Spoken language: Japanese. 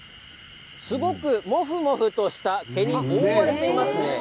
すごくモフモフとした毛に覆われていますね。